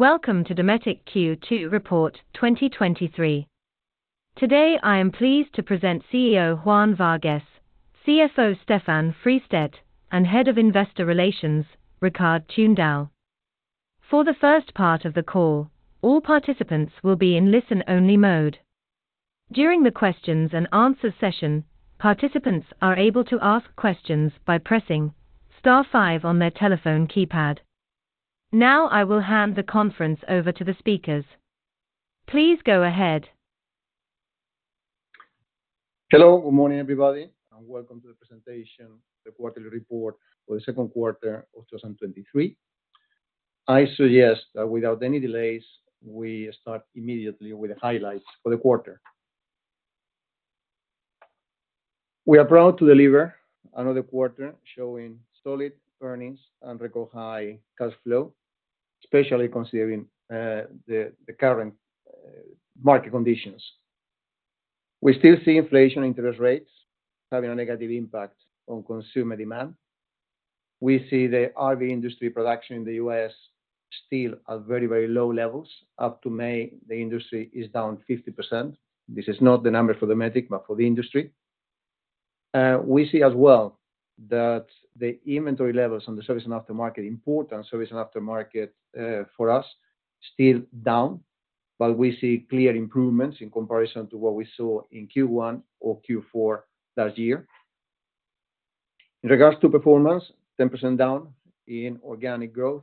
Welcome to Dometic Q2 Report 2023. Today, I am pleased to present CEO Juan Vargues, CFO Stefan Trampus, and Head of Investor Relations, Rikard Tunedal. For the first part of the call, all participants will be in listen-only mode. During the questions and answers session, participants are able to ask questions by pressing star five on their telephone keypad. Now, I will hand the conference over to the speakers. Please go ahead. Hello. Good morning, everybody, and welcome to the presentation, the quarterly report for the second quarter of 2023. I suggest that without any delays, we start immediately with the highlights for the quarter. We are proud to deliver another quarter showing solid earnings and record high cash flow, especially considering the current market conditions. We still see inflation and interest rates having a negative impact on consumer demand. We see the RV industry production in the U.S. still at very low levels. Up to May, the industry is down 50%. This is not the number for Dometic, but for the industry. We see as well that the inventory levels on the service and aftermarket, import and service and aftermarket, for us, still down, but we see clear improvements in comparison to what we saw in Q1 or Q4 last year. In regards to performance, 10% down in organic growth,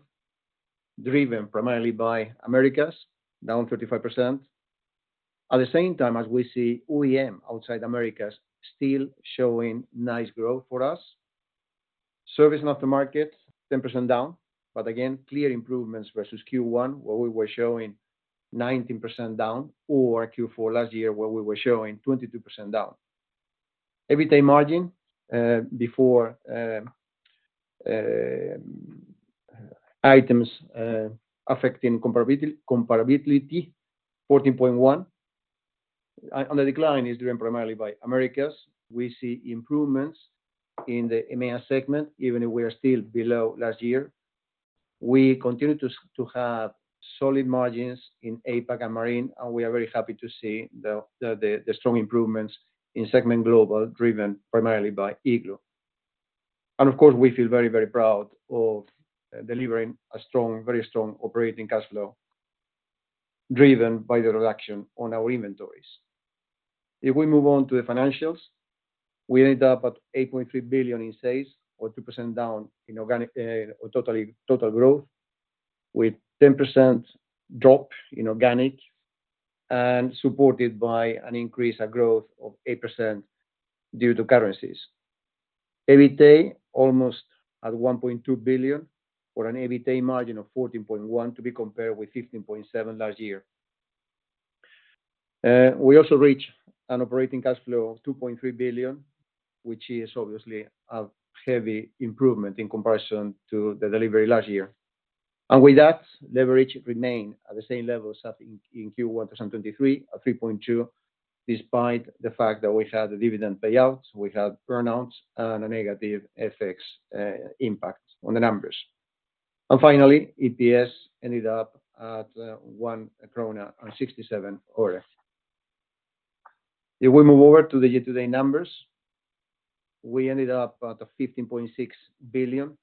driven primarily by Americas, down 35%. As we see OEM outside Americas still showing nice growth for us. Service and aftermarket, 10% down, but again, clear improvements versus Q1, where we were showing 19% down, or Q4 last year, where we were showing 22% down. EBITDA margin, before items affecting comparability, 14.1%. The decline is driven primarily by Americas. We see improvements in the EMEA segment, even if we are still below last year. We continue to have solid margins in APAC and Marine, and we are very happy to see the strong improvements in segment Global, driven primarily by Igloo. Of course, we feel very, very proud of delivering a strong, very strong operating cash flow, driven by the reduction on our inventories. If we move on to the financials, we end up at 8.3 billion in sales, or 2% down in organic, or total growth, with 10% drop in organic and supported by an increase, a growth of 8% due to currencies. EBITDA almost at 1.2 billion, or an EBITDA margin of 14.1%, to be compared with 15.7% last year. We also reached an operating cash flow of 2.3 billion, which is obviously a heavy improvement in comparison to the delivery last year. With that, leverage remain at the same level as in Q1 2023, at 3.2, despite the fact that we had the dividend payouts, we had earn outs, and a negative FX impact on the numbers. Finally, EPS ended up at 1 krona and 67 ore. If we move over to the year-to-date numbers, we ended up at 15.6 billion,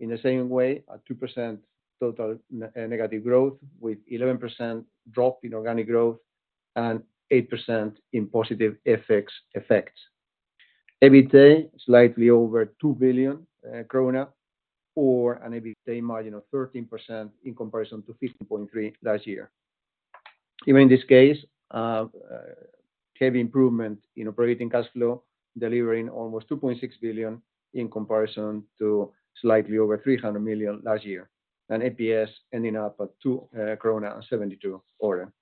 in the same way, a 2% total negative growth, with 11% drop in organic growth and 8% in positive FX effects. EBITDA, slightly over 2 billion krona, or an EBITDA margin of 13% in comparison to 15.3% last year. Even in this case, heavy improvement in operating cash flow, delivering almost 2.6 billion in comparison to slightly over 300 million last year, and EPS ending up at 2 krona and 72 ore.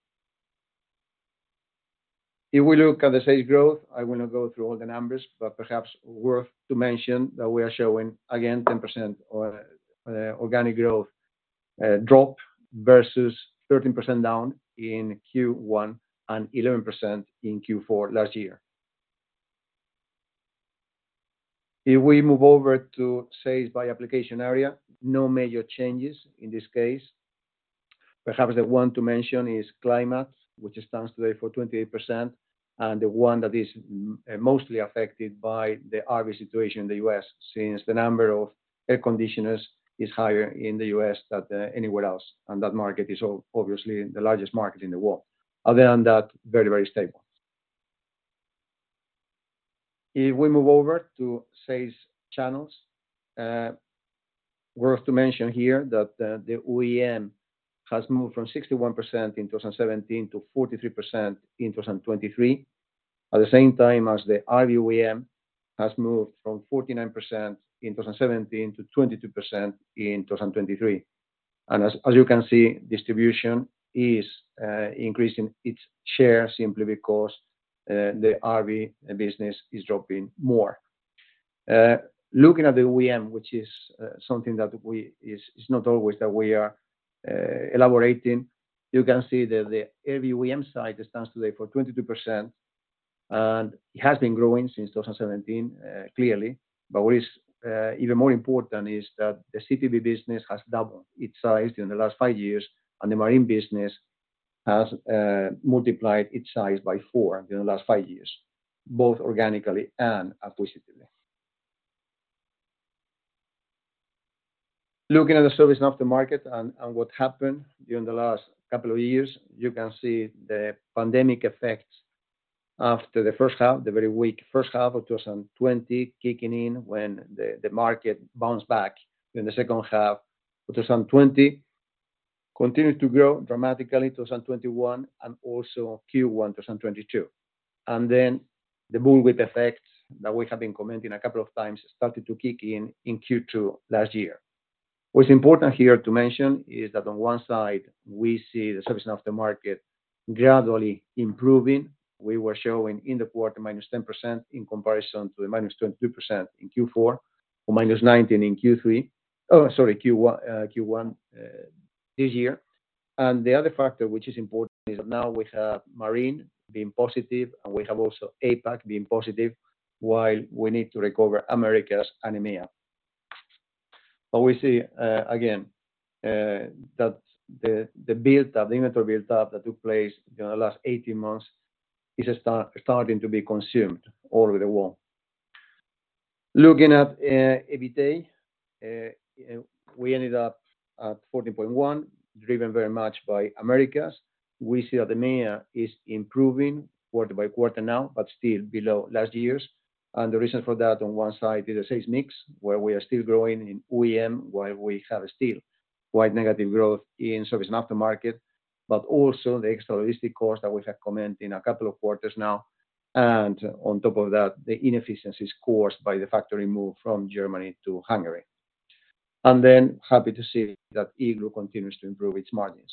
We look at the sales growth, I will not go through all the numbers, but perhaps worth to mention that we are showing, again, 10% organic growth drop versus 13% down in Q1 and 11% in Q4 last year. We move over to sales by application area, no major changes in this case. Perhaps the one to mention is Climate, which stands today for 28%, and the one that is mostly affected by the RV situation in the U.S., since the number of air conditioners is higher in the U.S. than anywhere else, and that market is obviously the largest market in the world. Other than that, very, very stable. If we move over to sales channels, worth to mention here that the OEM has moved from 61% in 2017 to 43% in 2023. At the same time as the RV OEM has moved from 49% in 2017 to 22% in 2023. As you can see, distribution is increasing its share simply because the RV business is dropping more. Looking at the OEM, which is something that we is not always that we are elaborating, you can see that the RV OEM side stands today for 22% and it has been growing since 2017, clearly. What is even more important is that the CTB business has doubled its size in the last five years, and the marine business has multiplied its size by four during the last five years, both organically and acquisitions. Looking at the service of the market and what happened during the last couple of years, you can see the pandemic effects after the first half, the very weak first half of 2020, kicking in when the market bounced back in the second half of 2020. Continued to grow dramatically in 2021, also Q1 2022. The bullwhip effect that we have been commenting a couple of times, started to kick in in Q2 last year. What's important here to mention is that on one side, we see the service of the market gradually improving. We were showing in the quarter -10% in comparison to the -22% in Q4, or -19% in Q1 this year. The other factor, which is important, is now we have marine being positive, we have also APAC being positive, while we need to recover Americas and EMEA. We see again that the inventory build up that took place during the last 18 months is starting to be consumed all over the world. Looking at EBITDA, we ended up at 14.1, driven very much by Americas. We see that EMEA is improving quarter by quarter now, but still below last year's. The reason for that, on one side, is the sales mix, where we are still growing in OEM, while we have a still wide negative growth in service and aftermarket, but also the extra logistic cost that we have commented in a couple of quarters now, and on top of that, the inefficiencies caused by the factory move from Germany to Hungary. Happy to see that Igloo continues to improve its margins.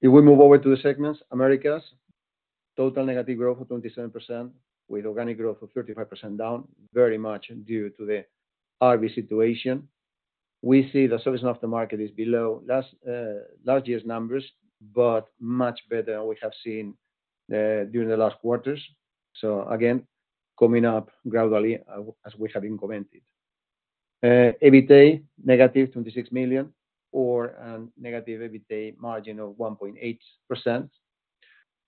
If we move over to the segments, Americas, total negative growth of 27%, with organic growth of 35% down, very much due to the RV situation. We see the service of the market is below last year's numbers, but much better than we have seen during the last quarters. Again, coming up gradually as we have been commented. EBITDA, negative 26 million or a negative EBITDA margin of 1.8%,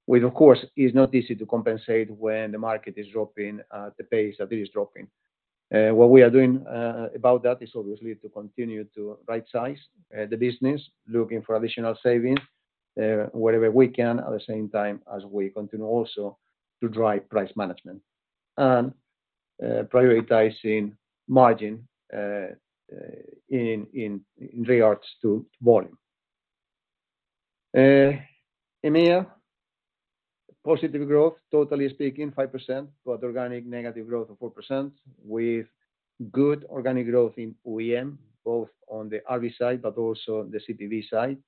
which, of course, is not easy to compensate when the market is dropping at the pace that it is dropping. What we are doing about that is obviously to continue to rightsize the business, looking for additional savings wherever we can, at the same time as we continue also to drive price management, and prioritizing margin in regards to volume. EMEA, positive growth, totally speaking, 5%, but organic negative growth of 4%, with good organic growth in OEM, both on the RV side, but also on the CTB side.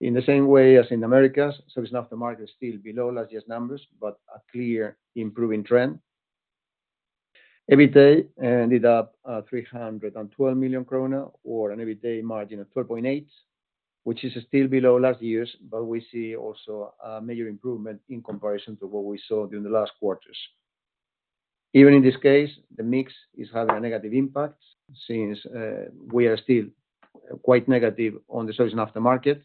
In the same way as in Americas, service of the market is still below last year's numbers, but a clear improving trend. EBITDA ended up at 312 million krona or an EBITDA margin of 12.8%, which is still below last year's, but we see also a major improvement in comparison to what we saw during the last quarters. Even in this case, the mix is having a negative impact since we are still quite negative on the service aftermarket,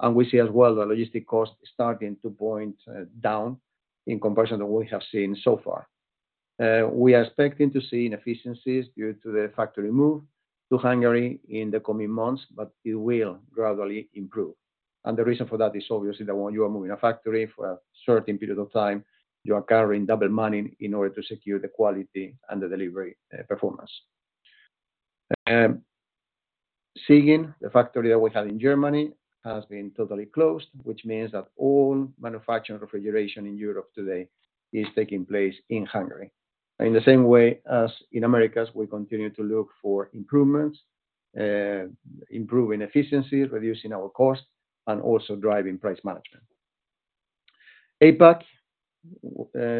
and we see as well, the logistic cost starting to point down in comparison to what we have seen so far. We are expecting to see inefficiencies due to the factory move to Hungary in the coming months, but it will gradually improve. The reason for that is obviously, that when you are moving a factory for a certain period of time, you are carrying double money in order to secure the quality and the delivery performance. Siegen, the factory that we have in Germany, has been totally closed, which means that all manufactured refrigeration in Europe today is taking place in Hungary. In the same way as in Americas, we continue to look for improvements, improving efficiencies, reducing our costs, and also driving price management. APAC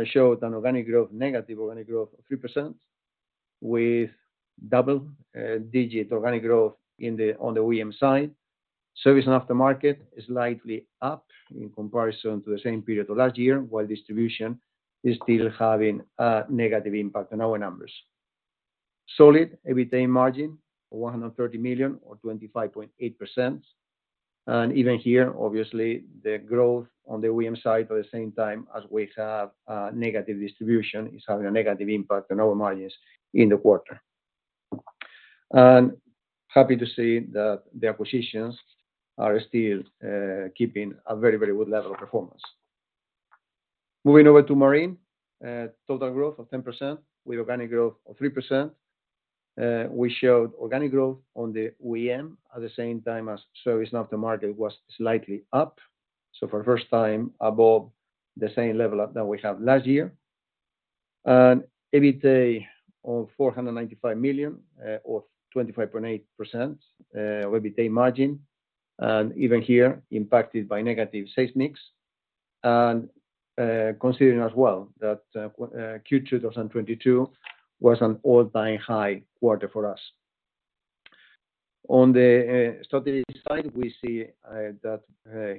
showed an organic growth, negative organic growth of 3%, with double-digit organic growth on the OEM side. Service and aftermarket is slightly up in comparison to the same period of last year, while distribution is still having a negative impact on our numbers. Solid EBITDA margin of 130 million or 25.8%. Even here, obviously, the growth on the OEM side, but at the same time, as we have a negative distribution, is having a negative impact on our margins in the quarter. Happy to see that the acquisitions are still keeping a very, very good level of performance. Moving over to marine, total growth of 10%, with organic growth of 3%. We showed organic growth on the OEM at the same time as service and aftermarket was slightly up. For the first time, above the same level that we have last year. EBITDA of 495 million or 25.8% EBITDA margin, even here impacted by negative sales mix. Considering as well that Q2 2022 was an all-time high quarter for us. On the strategy side, we see that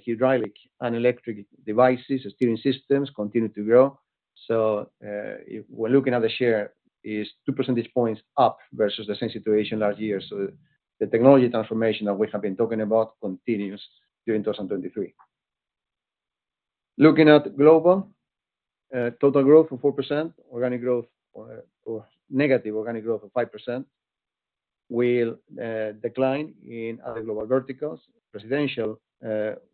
hydraulic and electric devices, steering systems continue to grow. If we're looking at the share, is 2 percentage points up versus the same situation last year. The technology transformation that we have been talking about continues during 2023. Looking at Global, total growth of 4%, organic growth or negative organic growth of 5%, will decline in other Global verticals. Residential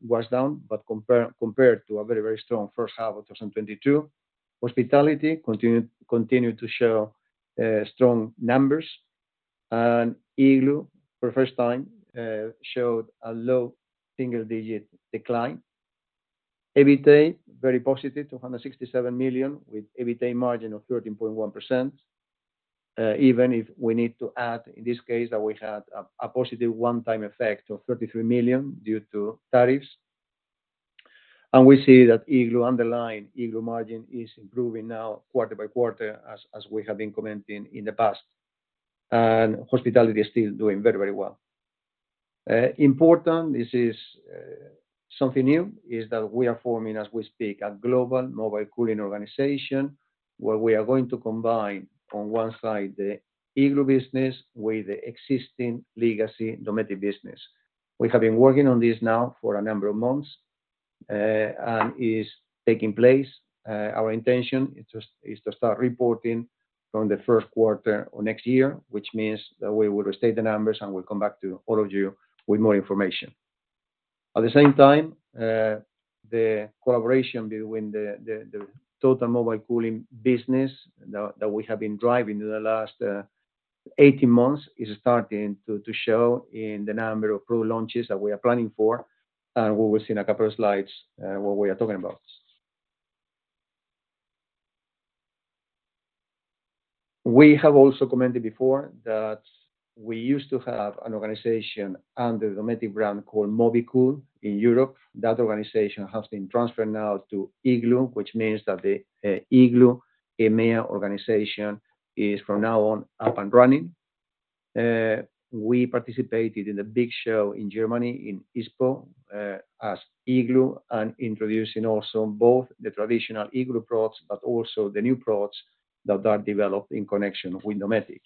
was down, but compared to a very, very strong first half of 2022. Hospitality continued to show strong numbers. Igloo, for the first time, showed a low single-digit decline. EBITDA, very positive, 267 million, with EBITDA margin of 13.1%. Even if we need to add, in this case, that we had a positive one-time effect of 33 million due to tariffs. We see that Igloo, underlying Igloo margin is improving now quarter by quarter, as we have been commenting in the past. Hospitality is still doing very, very well. Important, this is something new, is that we are forming, as we speak, a global mobile cooling organization, where we are going to combine, on one side, the Igloo business with the existing legacy Dometic business. We have been working on this now for a number of months, and is taking place. Our intention is to start reporting from the first quarter of next year, which means that we will restate the numbers. We'll come back to all of you with more information. At the same time, the collaboration between the total mobile cooling business that we have been driving in the last 18 months, is starting to show in the number of pro launches that we are planning for. We will see in a couple of slides what we are talking about. We have also commented before that we used to have an organization under the Dometic brand called Mobicool in Europe. That organization has been transferred now to Igloo, which means that the Igloo EMEA organization is from now on, up and running. We participated in a big show in Germany, in ISPO, as Igloo, and introducing also both the traditional Igloo products, but also the new products that are developed in connection with Dometic.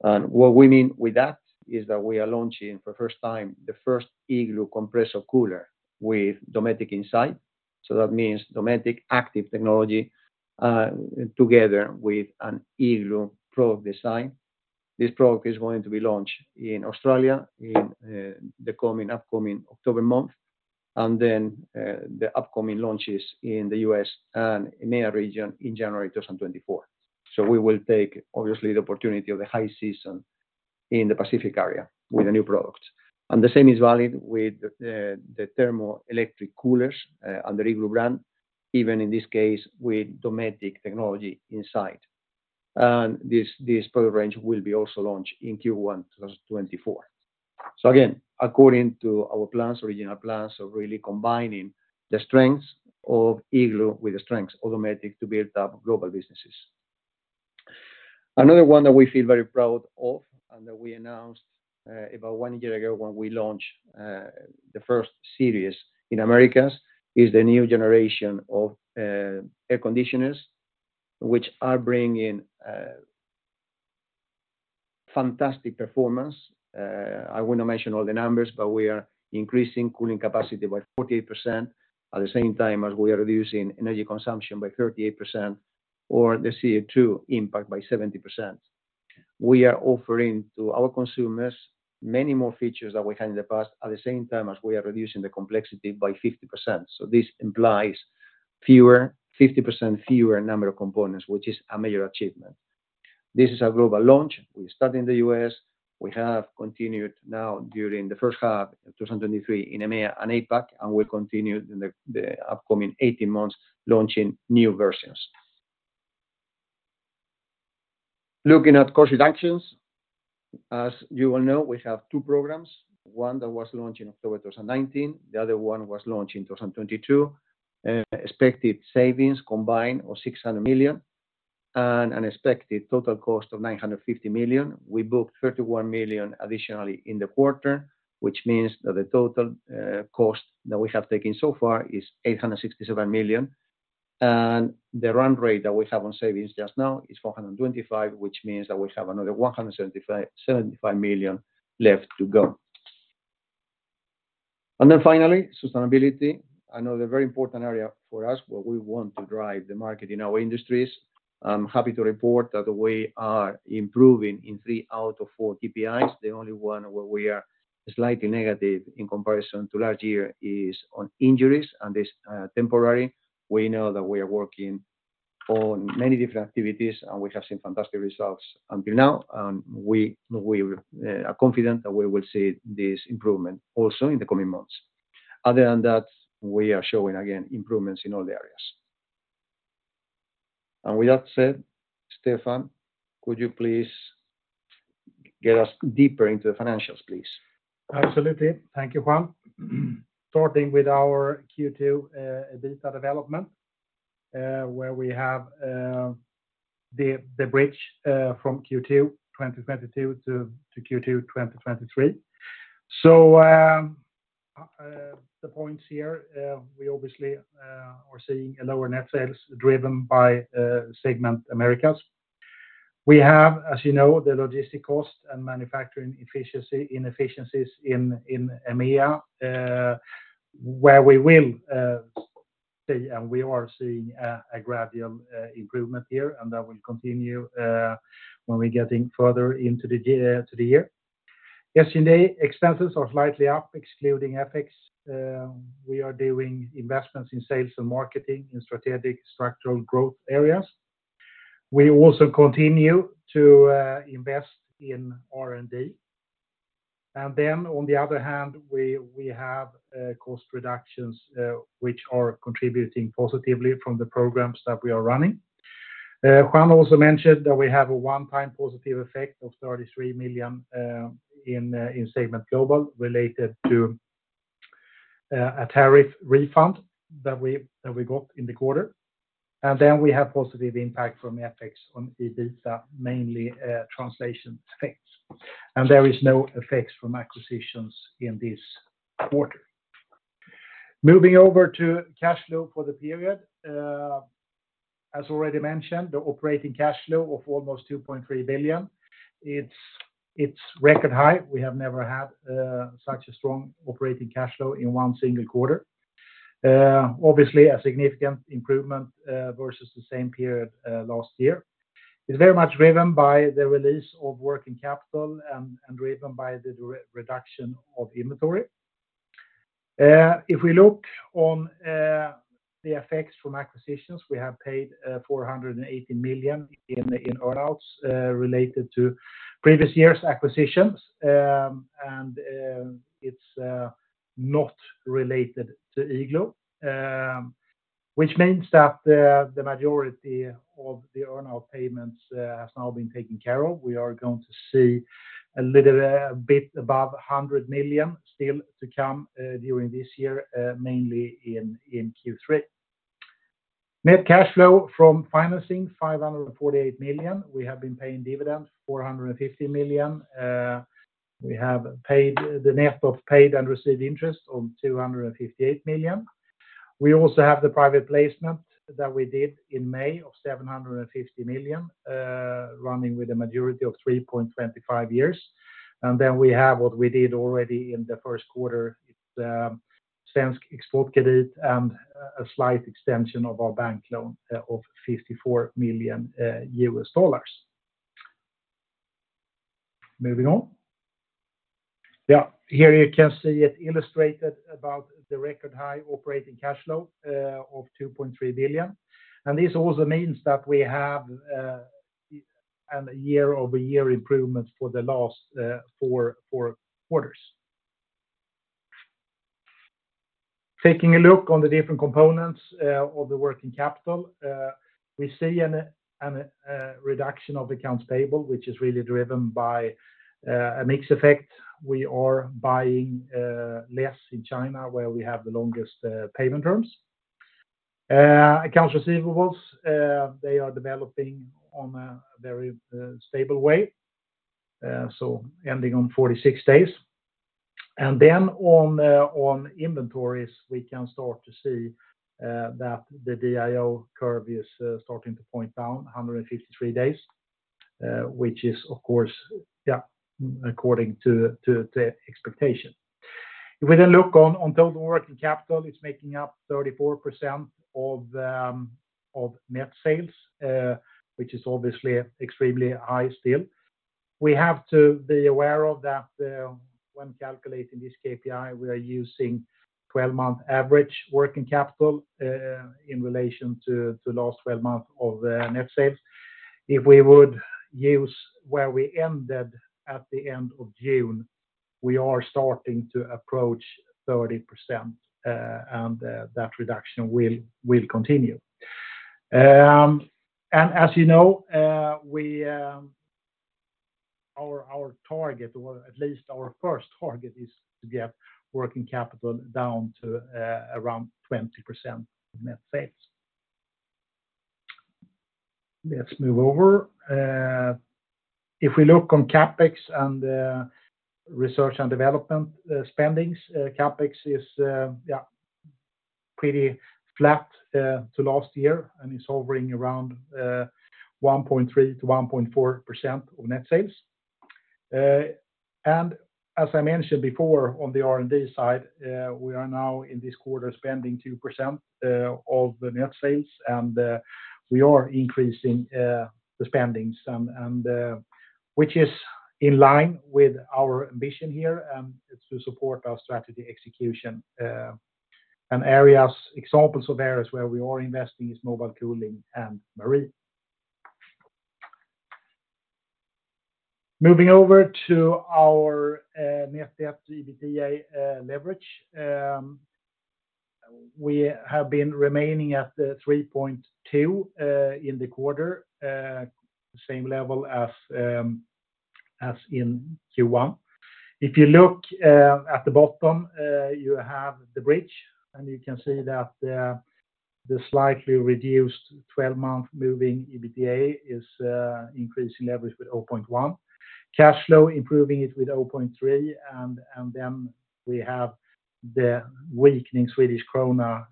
What we mean with that, is that we are launching for the first time, the first Igloo compressor cooler with Dometic inside. That means Dometic active technology together with an Igloo product design. This product is going to be launched in Australia in upcoming October month, and then the upcoming launches in the US and EMEA region in January 2024. We will take, obviously, the opportunity of the high season in the Pacific area with the new products. The same is valid with the thermoelectric coolers on the Igloo brand, even in this case, with Dometic technology inside. This product range will be also launched in Q1 2024. Again, according to our plans, original plans of really combining the strengths of Igloo with the strengths of Dometic to build up global businesses. Another one that we feel very proud of, that we announced about one year ago when we launched the first series in Americas, is the new generation of air conditioners, which are bringing fantastic performance. I will not mention all the numbers, we are increasing cooling capacity by 48%, at the same time as we are reducing energy consumption by 38%, or the CO2 impact by 70%. We are offering to our consumers many more features than we had in the past, at the same time as we are reducing the complexity by 50%. This implies fewer, 50% fewer number of components, which is a major achievement. This is a global launch. We started in the US. We have continued now during the first half of 2023 in EMEA and APAC, and we'll continue in the upcoming 18 months, launching new versions. Looking at cost reductions, as you all know, we have two programs. One that was launched in October 2019, the other one was launched in 2022. Expected savings combined of 600 million, and an expected total cost of 950 million. We booked 31 million additionally in the quarter, which means that the total cost that we have taken so far is 867 million. The run rate that we have on savings just now is 425, which means that we have another 175 million left to go. Finally, sustainability. Another very important area for us, where we want to drive the market in our industries. I'm happy to report that we are improving in 3 out of 4 KPIs. The only one where we are slightly negative in comparison to last year, is on injuries, and this, temporary. We know that we are working on many different activities, and we have seen fantastic results until now, and we are confident that we will see this improvement also in the coming months. Other than that, we are showing, again, improvements in all the areas. With that said, Stefan, could you please get us deeper into the financials, please? Absolutely. Thank you, Juan. Starting with our Q2 EBITDA development. Where we have the bridge from Q2 2022 to Q2 2023. The points here, we obviously are seeing a lower net sales driven by segment Americas. We have, as you know, the logistic cost and manufacturing inefficiencies in EMEA, where we will see, and we are seeing a gradual improvement here, and that will continue when we're getting further into the year. Yesterday, expenses are slightly up, excluding FX. We are doing investments in sales and marketing in strategic structural growth areas. We also continue to invest in R&D. On the other hand, we have cost reductions, which are contributing positively from the programs that we are running. Juan also mentioned that we have a one-time positive effect of 33 million in segment Global, related to a tariff refund that we got in the quarter. Then we have positive impact from FX on EBITDA, mainly translation effects. There is no effects from acquisitions in this quarter. Moving over to cash flow for the period. As already mentioned, the operating cash flow of almost 2.3 billion, it's record high. We have never had such a strong operating cash flow in one single quarter. Obviously, a significant improvement versus the same period last year. It's very much driven by the release of working capital and driven by the reduction of inventory. If we look on the effects from acquisitions, we have paid 480 million in earnouts related to previous year's acquisitions. It's not related to Igloo, which means that the majority of the earnout payments has now been taken care of. We are going to see a little bit above 100 million still to come during this year, mainly in Q3. Net cash flow from financing, 548 million. We have been paying dividends, 450 million. We have paid the net of paid and received interest on 258 million. We also have the private placement that we did in May of 750 million running with a majority of 3.25 years. We have what we did already in the first quarter, Svensk Exportkredit, and a slight extension of our bank loan of $54 million. Moving on. Here you can see it illustrated about the record high operating cash flow of 2.3 billion. This also means that we have a year-over-year improvement for the last four quarters. Taking a look on the different components of the working capital, we see a reduction of accounts payable, which is really driven by a mix effect. We are buying less in China, where we have the longest payment terms. Accounts receivables, they are developing on a very stable way, so ending on 46 days. On inventories, we can start to see that the DIO curve is starting to point down 153 days, which is of course, yeah, according to the expectation. If we look on total working capital, it's making up 34% of net sales, which is obviously extremely high still. We have to be aware of that, when calculating this KPI, we are using 12-month average working capital in relation to last 12 months of the net sales. If we would use where we ended at the end of June, we are starting to approach 30%, that reduction will continue. As you know, we, our target, or at least our first target is to get working capital down to around 20% net sales. Let's move over. If we look on CapEx and research and development spendings, CapEx is pretty flat to last year, and it's hovering around 1.3%-1.4% of net sales. As I mentioned before, on the R&D side, we are now in this quarter spending 2% of the net sales, and we are increasing the spendings, which is in line with our ambition here, and it's to support our strategy execution, examples of areas where we are investing is mobile cooling and marine. Moving over to our net debt/EBITDA leverage. We have been remaining at the 3.2x in the quarter, same level as in Q1. If you look at the bottom, you have the bridge, and you can see that the slightly reduced 12-month moving EBITDA is increasing leverage with 0.1. Cash flow improving it with 0.3, and then we have the weakening Swedish krona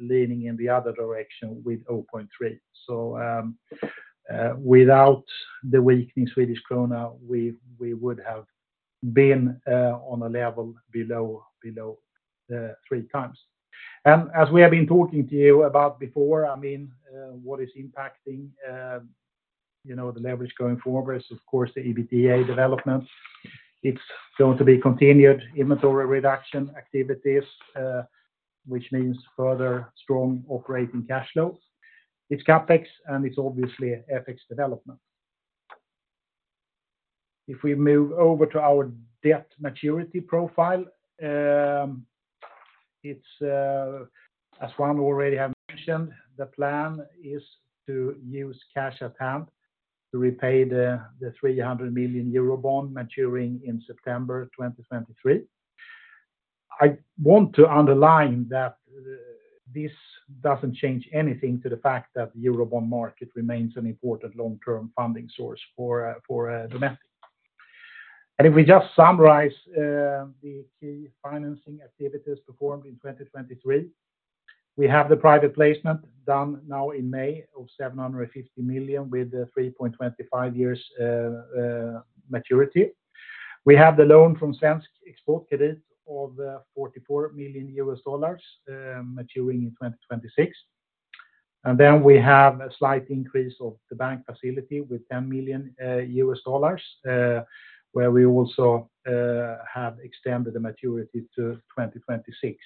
leaning in the other direction with 0.3. Without the weakening Swedish krona, we would have been on a level below 3 times. As we have been talking to you about before, I mean, you know, the leverage going forward is of course, the EBITDA development. It's going to be continued inventory reduction activities, which means further strong operating cash flows. It's CapEx. It's obviously FX development. If we move over to our debt maturity profile, it's as Juan already have mentioned, the plan is to use cash at hand to repay the 300 million euro bond maturing in September 2023. I want to underline that this doesn't change anything to the fact that the euro bond market remains an important long-term funding source for Dometic. If we just summarize the key financing activities performed in 2023, we have the private placement done now in May of 750 million with a 3.25 years maturity. We have the loan from Svensk Exportkredit of $44 million, maturing in 2026. We have a slight increase of the bank facility with $10 million US dollars, where we also have extended the maturity to 2026.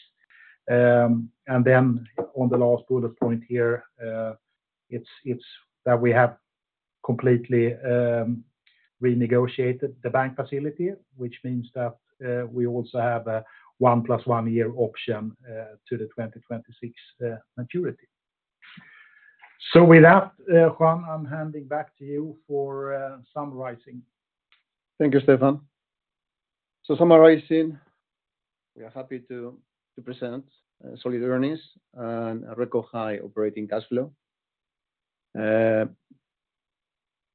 On the last bullet point here, it's that we have completely renegotiated the bank facility, which means that we also have a 1 plus 1 year option to the 2026 maturity. With that, Juan, I'm handing back to you for summarizing. Thank you, Stefan. Summarizing, we are happy to present solid earnings and a record high operating cash flow.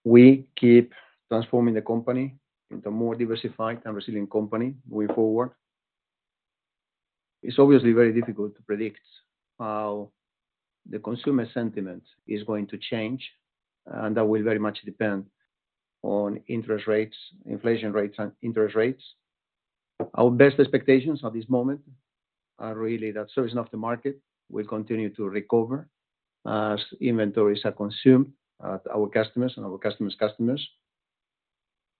We keep transforming the company into a more diversified and resilient company going forward. It's obviously very difficult to predict how the consumer sentiment is going to change, that will very much depend on interest rates, inflation rates, and interest rates. Our best expectations at this moment are really that service of the market will continue to recover as inventories are consumed at our customers and our customers' customers.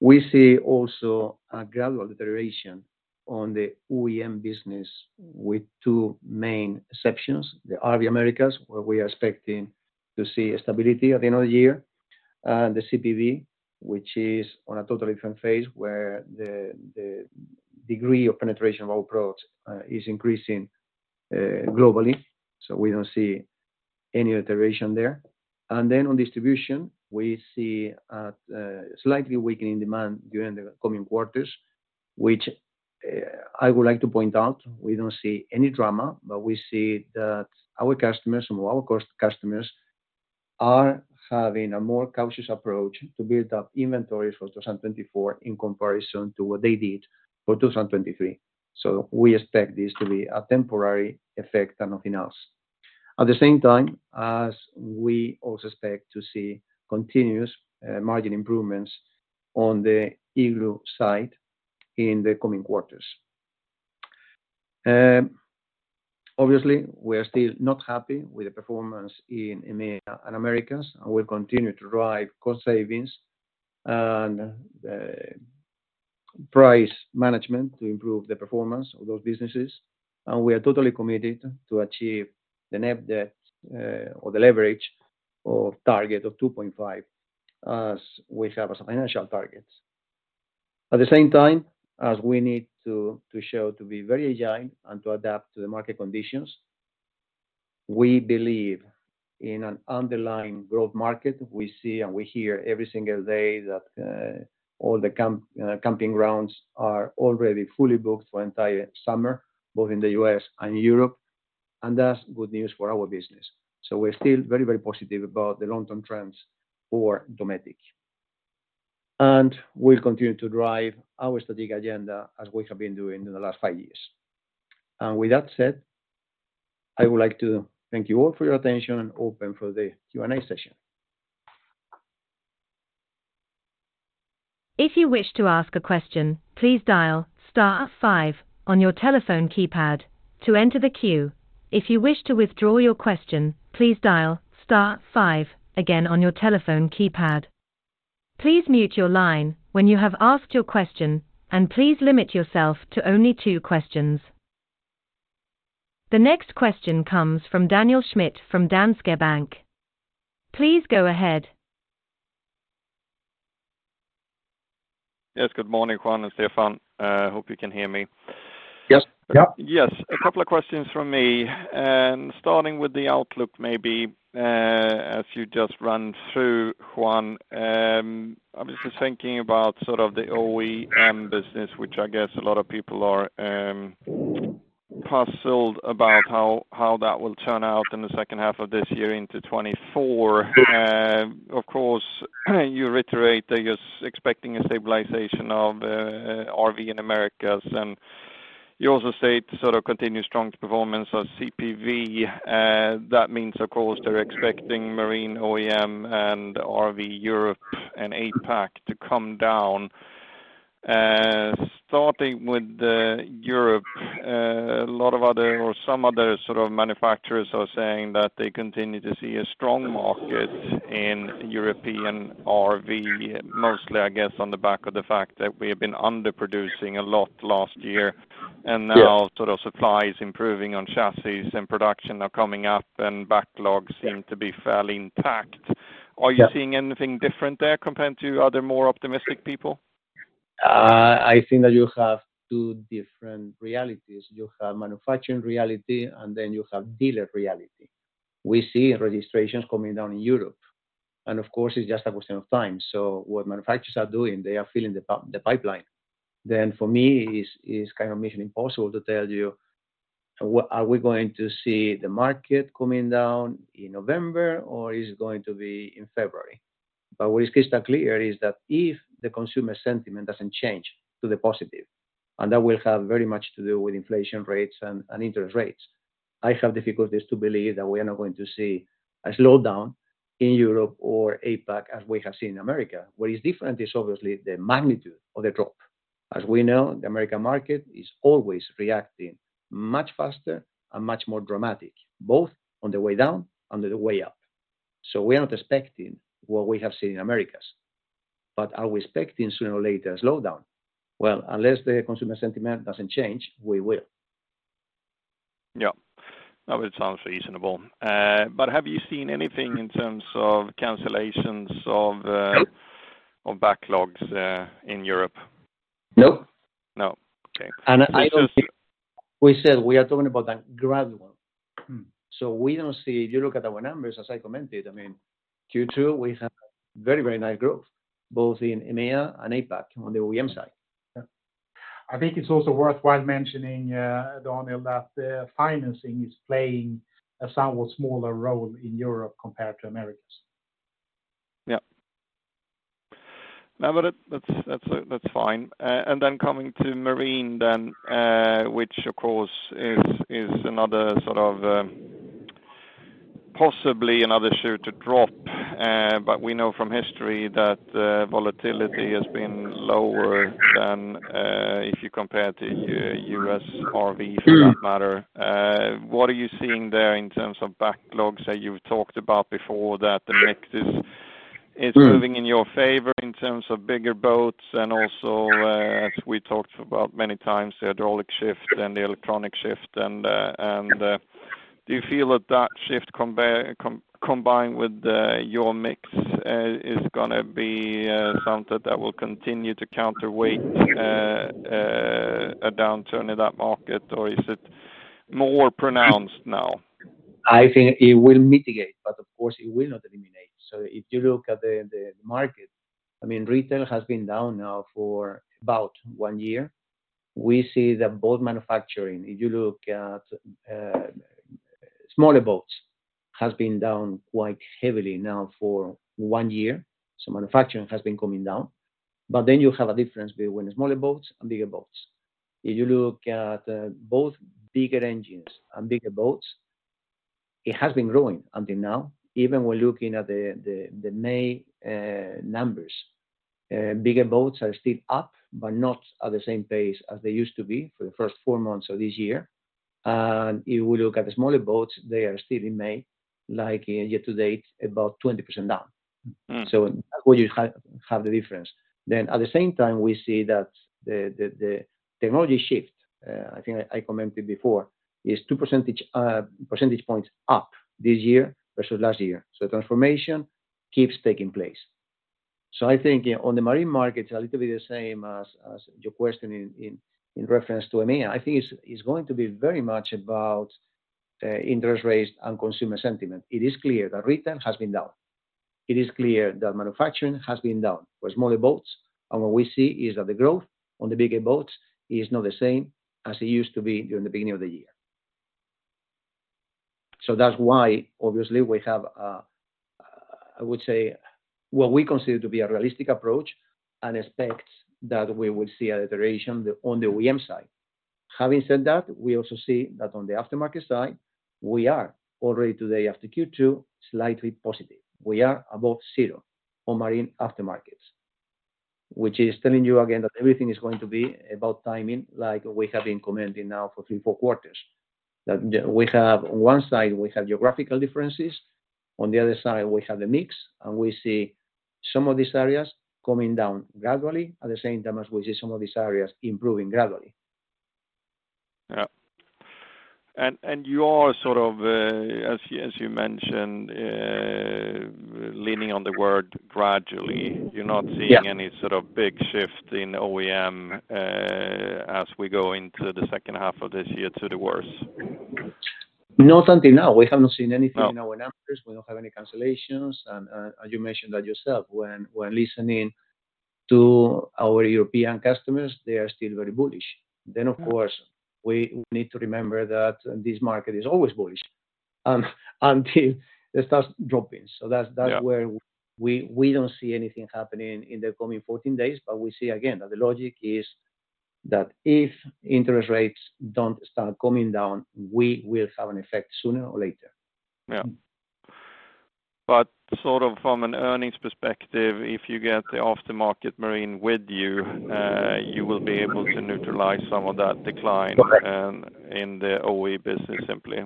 We see also a gradual deterioration on the OEM business with two main exceptions: the RV Americas, where we are expecting to see a stability at the end of the year, and the CPV, which is on a totally different phase, where the degree of penetration of our products is increasing globally. We don't see any deterioration there. On distribution, we see a slightly weakening demand during the coming quarters, which I would like to point out, we don't see any drama, but we see that our customers are having a more cautious approach to build up inventory for 2024 in comparison to what they did for 2023. We expect this to be a temporary effect and nothing else. At the same time, as we also expect to see continuous margin improvements on the Dometic Group side in the coming quarters. Obviously, we are still not happy with the performance in EMEA and Americas, we'll continue to drive cost savings and price management to improve the performance of those businesses. We are totally committed to achieve the net debt or the leverage of target of 2.5, as we have as financial targets. At the same time, as we need to show to be very agile and to adapt to the market conditions, we believe in an underlying growth market. We see and we hear every single day that all the camp camping grounds are already fully booked for entire summer, both in the US and Europe, that's good news for our business. We're still very, very positive about the long-term trends for Dometic. We'll continue to drive our strategic agenda as we have been doing in the last five years. With that said, I would like to thank you all for your attention and open for the Q&A session. If you wish to ask a question, please dial star five on your telephone keypad to enter the queue. If you wish to withdraw your question, please dial star five again on your telephone keypad. Please mute your line when you have asked your question, and please limit yourself to only two questions. The next question comes from Daniel Schmidt from Danske Bank. Please go ahead. Yes, good morning, Juan and Stefan. Hope you can hear me. Yes. Yeah? Yes, a couple of questions from me, starting with the outlook maybe, as you just run through, Juan. I was just thinking about sort of the OEM business, which I guess a lot of people are puzzled about how that will turn out in the second half of this year into 2024. Of course, you reiterate that you're expecting a stabilization of RV in Americas, and you also state sort of continued strong performance of CPV. That means, of course, they're expecting marine OEM and RV Europe and APAC to come down. Starting with the Europe, a lot of other or some other sort of manufacturers are saying that they continue to see a strong market in European RV, mostly, I guess, on the back of the fact that we have been underproducing a lot last year. Yes. Now sort of supply is improving on chassis and production are coming up, and backlogs. Yeah seem to be fairly intact. Yeah. Are you seeing anything different there compared to other more optimistic people? I think that you have two different realities. You have manufacturing reality, and then you have dealer reality. We see registrations coming down in Europe, and of course, it's just a question of time. What manufacturers are doing, they are filling the pipeline. For me, is kind of mission impossible to tell you, are we going to see the market coming down in November, or is it going to be in February? What is crystal clear is that if the consumer sentiment doesn't change to the positive, and that will have very much to do with inflation rates and interest rates, I have difficulties to believe that we are not going to see a slowdown in Europe or APAC, as we have seen in America. What is different is obviously the magnitude of the drop. As we know, the American market is always reacting much faster and much more dramatic, both on the way down and the way up. We are not expecting what we have seen in Americas, but are we expecting sooner or later a slowdown? Unless the consumer sentiment doesn't change, we will. Yeah. That would sound reasonable. Have you seen anything in terms of cancellations of? No... of backlogs, in Europe? No. No. Okay. And I don't think- This is. We said we are talking about a gradual. Mm. We don't see, you look at our numbers, as I commented, I mean, Q2, we have very, very nice growth, both in EMEA and APAC on the OEM side. Yeah. I think it's also worthwhile mentioning, Daniel, that the financing is playing a somewhat smaller role in Europe compared to Americas. Yeah. Now, but that's fine. Coming to marine then, which, of course, is another sort of, possibly another shoe to drop. We know from history that volatility has been lower than if you compare it to U.S. RVs for that matter. What are you seeing there in terms of backlogs that you've talked about before, that the mix is-? Mm ...is moving in your favor in terms of bigger boats and also, as we talked about many times, the hydraulic shift and the electronic shift. Do you feel that that shift combined with the, your mix, is gonna be something that will continue to counterweight a downturn in that market, or is it more pronounced now? I think it will mitigate, but of course, it will not eliminate. If you look at the market, I mean, retail has been down now for about one year. We see the boat manufacturing. If you look at smaller boats, has been down quite heavily now for one year, manufacturing has been coming down. You have a difference between smaller boats and bigger boats. If you look at both bigger engines and bigger boats, it has been growing until now, even when looking at the May numbers. Bigger boats are still up, not at the same pace as they used to be for the first four months of this year. If we look at the smaller boats, they are still in May, like year to date, about 20% down. Mm. We have the difference. At the same time, we see that the technology shift, I think I commented before, is 2 percentage points up this year versus last year. Transformation keeps taking place. I think on the marine markets, a little bit the same as your question in reference to EMEA. I think it's going to be very much about interest rates and consumer sentiment. It is clear that retail has been down. It is clear that manufacturing has been down for smaller boats, and what we see is that the growth on the bigger boats is not the same as it used to be during the beginning of the year. That's why, obviously, we have, I would say, what we consider to be a realistic approach and expect that we will see a iteration on the OEM side. Having said that, we also see that on the aftermarket side, we are already today, after Q2, slightly positive. We are above zero on marine aftermarkets, which is telling you again that everything is going to be about timing, like we have been commenting now for three, four quarters. We have on one side, we have geographical differences, on the other side, we have the mix, and we see some of these areas coming down gradually, at the same time as we see some of these areas improving gradually. Yeah. You are sort of, as you mentioned, leaning on the word gradually, you're not seeing- Yeah Any sort of big shift in OEM as we go into the second half of this year to the worse? Not until now. We have not seen anything in our numbers. We don't have any cancellations. You mentioned that yourself, when listening to our European customers, they are still very bullish. Of course, we need to remember that this market is always bullish, until it starts dropping. That's. Yeah Where we don't see anything happening in the coming 14 days, but we see again, that the logic is that if interest rates don't start coming down, we will have an effect sooner or later. Yeah. Sort of from an earnings perspective, if you get the aftermarket marine with you will be able to neutralize some of that decline. Correct in the OE business, simply.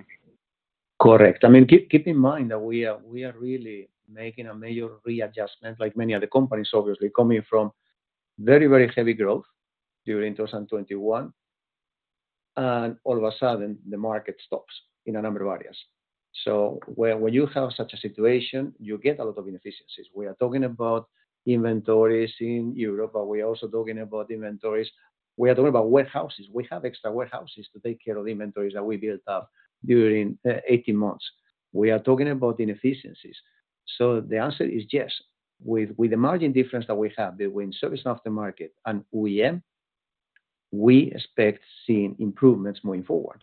Correct. I mean, keep in mind that we are really making a major readjustment, like many other companies, obviously, coming from very, very heavy growth during 2021, and all of a sudden, the market stops in a number of areas. When you have such a situation, you get a lot of inefficiencies. We are talking about inventories in Europe, but we are also talking about inventories. We are talking about warehouses. We have extra warehouses to take care of inventories that we built up during 18 months. We are talking about inefficiencies. The answer is yes. With the margin difference that we have between service aftermarket and OEM, we expect seeing improvements moving forward.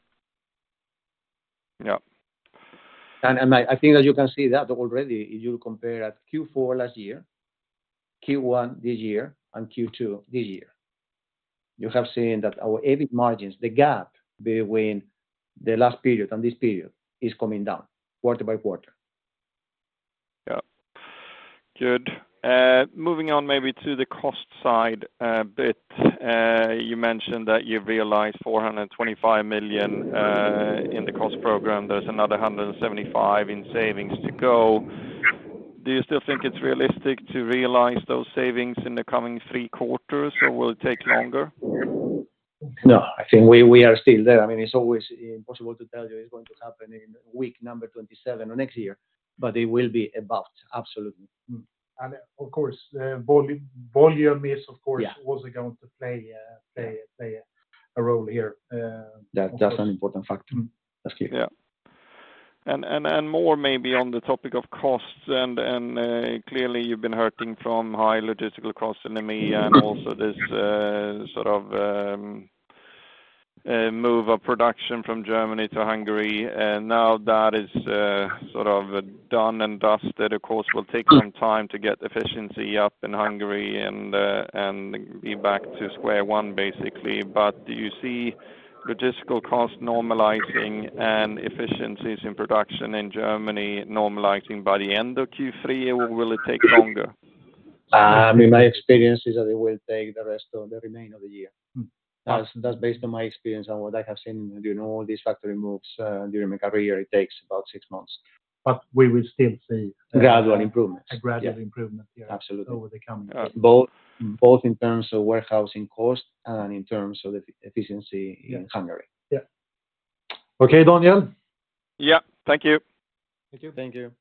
Yeah. I think that you can see that already, if you compare at Q4 last year, Q1 this year, and Q2 this year, you have seen that our EBIT margins, the gap between the last period and this period, is coming down quarter by quarter. Good. Moving on maybe to the cost side, bit, you mentioned that you realized 425 million in the cost program, there's another 175 million in savings to go. Do you still think it's realistic to realize those savings in the coming 3 quarters, or will it take longer? No, I think we are still there. I mean, it's always impossible to tell you it's going to happen in week number 27 or next year, but it will be about, absolutely. Of course, the volume is, of course. Yeah Also going to play a role here. That's an important factor. Mm. That's clear. Yeah. More maybe on the topic of costs, and clearly, you've been hurting from high logistical costs in the ME, and also this sort of move of production from Germany to Hungary, and now that is sort of done and dusted. Of course, will take some time to get efficiency up in Hungary and be back to square one, basically. Do you see logistical costs normalizing and efficiencies in production in Germany normalizing by the end of Q3, or will it take longer? I mean, my experience is that it will take the rest of the remainder of the year. Mm. That's based on my experience and what I have seen. You know, these factory moves, during my career, it takes about six months. we will still see- Gradual improvements. A gradual improvement. Yeah. Absolutely. Over the coming years. both in terms of warehousing cost and in terms of efficiency in Hungary. Yeah. Okay, Daniel? Yeah. Thank you. Thank you. Thank you.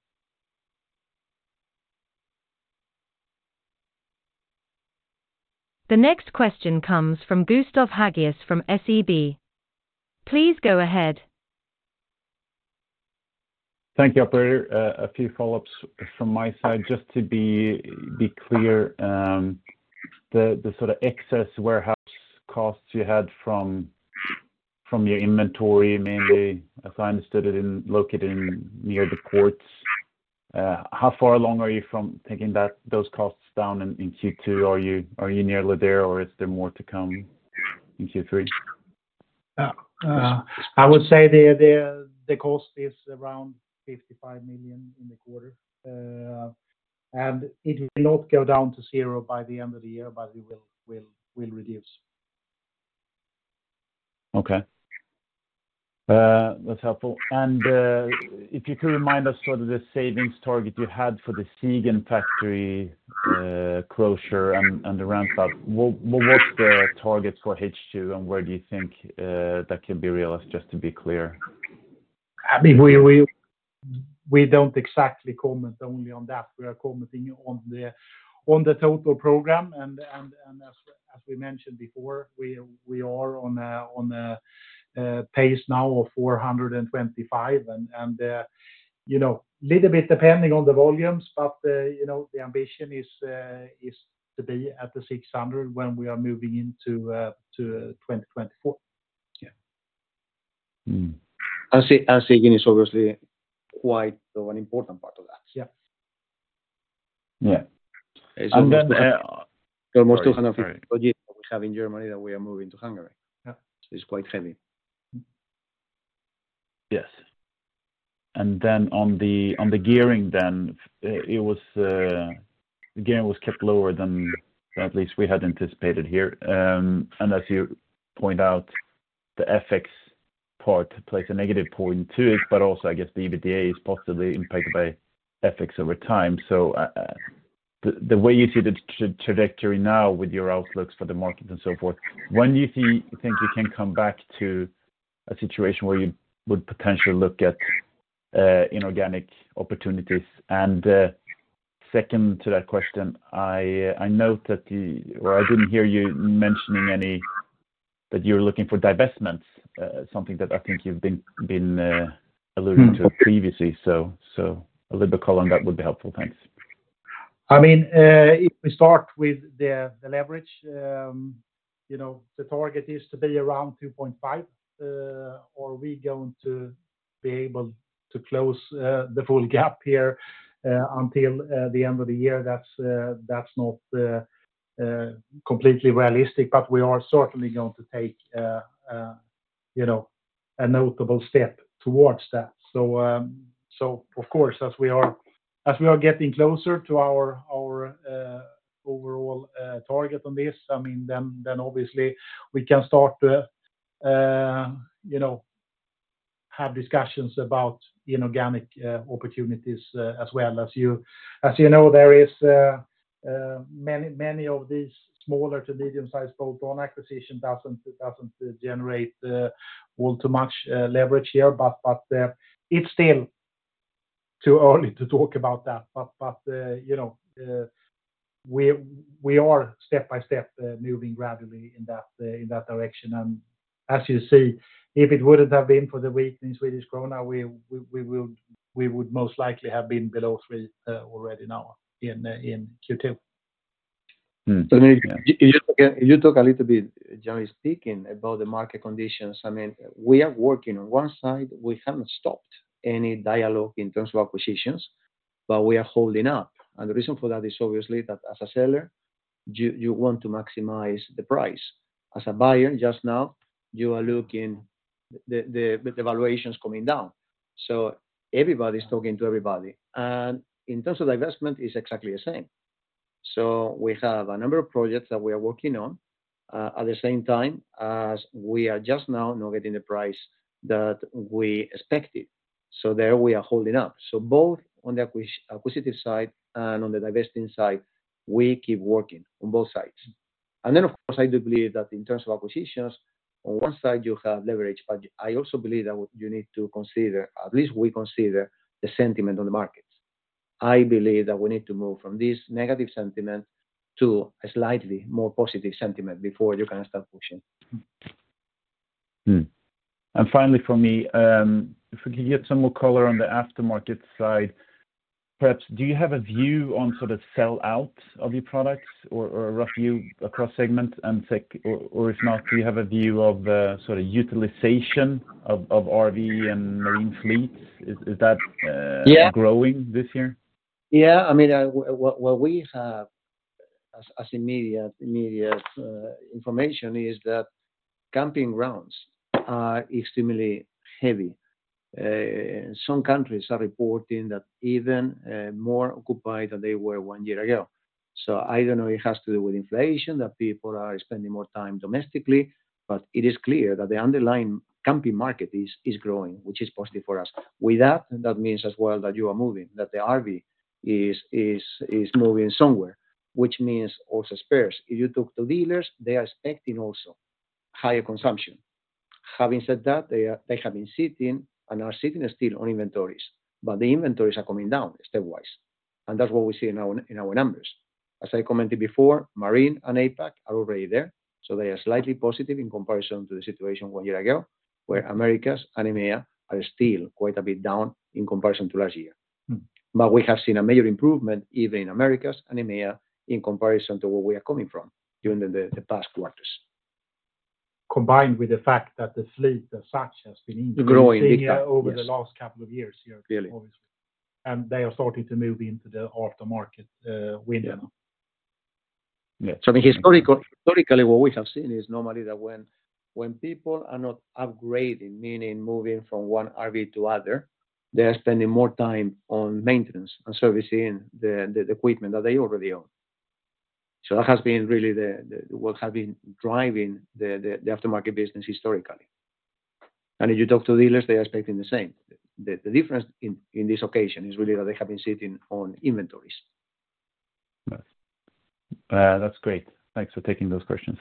The next question comes from Gustav Hagéus from SEB. Please go ahead. Thank you, operator. A few follow-ups from my side, just to be clear, the sort of excess warehouse costs you had from your inventory, mainly, as I understood it, located in near the ports. How far along are you from taking those costs down in Q2? Are you nearly there, or is there more to come in Q3? I would say the cost is around 55 million in the quarter. It will not go down to zero by the end of the year. It will reduce. Okay. that's helpful. If you could remind us what are the savings target you had for the Siegen factory, closure and the ramp up, what's the targets for H2, and where do you think, that can be realized, just to be clear? I mean, we don't exactly comment only on that. We are commenting on the total program. As we mentioned before, we are on a pace now of 425, and, you know, little bit depending on the volumes, but, you know, the ambition is to be at the 600 when we are moving into 2024. Yeah. Siegen is obviously quite of an important part of that. Yeah. Yeah. almost 250 we have in Germany that we are moving to Hungary. Yeah. It's quite heavy. Yes. On the gearing, the gearing was kept lower than at least we had anticipated here. Unless you point out the FX part plays a negative point to it, but also I guess the EBITDA is positively impacted by FX over time. The way you see the trajectory now with your outlooks for the market and so forth, when do you think you can come back to a situation where you would potentially look at inorganic opportunities? Second to that question, I note or I didn't hear you mentioning any, that you're looking for divestments, something that I think you've been alluding to previously. A little bit color on that would be helpful. Thanks. I mean, if we start with the leverage, you know, the target is to be around 2.5. Are we going to be able to close the full gap here until the end of the year? That's not completely realistic, but we are certainly going to take, you know, a notable step towards that. So of course, as we are getting closer to our overall target on this, I mean, then obviously we can start to, you know, have discussions about inorganic opportunities as well. As you know, there is many, many of these smaller to medium-sized bolt-on acquisition doesn't generate all too much leverage here. It's still too early to talk about that. You know, we are step by step moving gradually in that direction. As you see, if it wouldn't have been for the weak in Swedish krona, we would most likely have been below 3 already now in Q2. Mm-hmm. If you talk a little bit, generally speaking, about the market conditions. I mean, we are working. On one side, we haven't stopped any dialogue in terms of acquisitions, but we are holding up. The reason for that is obviously that as a seller, you want to maximize the price. As a buyer, just now, you are looking the valuations coming down. Everybody's talking to everybody. In terms of divestment, it's exactly the same. We have a number of projects that we are working on. At the same time as we are just now not getting the price that we expected. There we are holding up. Both on the acquisitive side and on the divesting side, we keep working on both sides. Of course, I do believe that in terms of acquisitions, on one side you have leverage, but I also believe that you need to consider, at least we consider the sentiment on the markets. I believe that we need to move from this negative sentiment to a slightly more positive sentiment before you can start pushing. Finally, for me, if we could get some more color on the aftermarket side, perhaps, do you have a view on sort of sell out of your products or a rough view across segments or if not, do you have a view of, sort of utilization of RV and marine fleets? Is that? Yeah. growing this year? Yeah. I mean, what we have as immediate information is that camping grounds are extremely heavy. Some countries are reporting that even more occupied than they were 1 year ago. I don't know, it has to do with inflation, that people are spending more time domestically, but it is clear that the underlying camping market is growing, which is positive for us. With that means as well that you are moving, that the RV is moving somewhere, which means also spares. If you talk to dealers, they are expecting also higher consumption. Having said that, they have been sitting and are sitting still on inventories, but the inventories are coming down stepwise, and that's what we see in our numbers. As I commented before, Marine and APAC are already there, so they are slightly positive in comparison to the situation one year ago, where Americas and EMEA are still quite a bit down in comparison to last year. Mm. We have seen a major improvement, even in Americas and EMEA, in comparison to where we are coming from during the past quarters. Combined with the fact that the fleet as such has been increasing. Growing, yeah. - over the last couple of years here. Clearly. They are starting to move into the auto market, window. Yeah. Historically, what we have seen is normally that when people are not upgrading, meaning moving from one RV to other, they are spending more time on maintenance and servicing the equipment that they already own. That has been really what have been driving the aftermarket business historically. If you talk to dealers, they are expecting the same. The difference in this occasion is really that they have been sitting on inventories. Right. That's great. Thanks for taking those questions.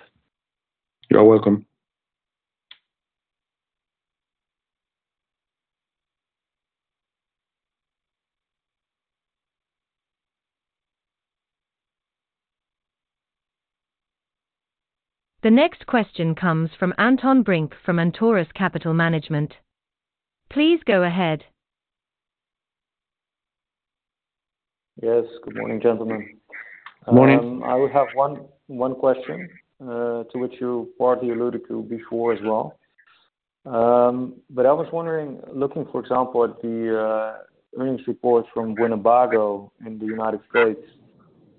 You're welcome. The next question comes from Anton Brink, from Antaurus Capital Management. Please go ahead. Yes, good morning, gentlemen. Morning. I would have one question to which you partly alluded to before as well. I was wondering, looking, for example, at the earnings reports from Winnebago in the United States,